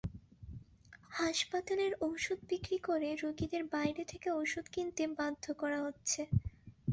হাসপাতালের ওষুধ বিক্রি করে রোগীদের বাইরে থেকে ওষুধ কিনতে বাধ্য করা হচ্ছে।